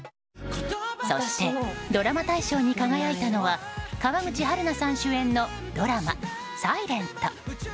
そしてドラマ大賞に輝いたのは川口春奈さん主演のドラマ「ｓｉｌｅｎｔ」。